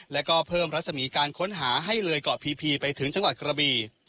แล้วก็เพิ่มรัศมีการค้นหาให้เลยเกาะพีไปถึงจังหวัดกระบี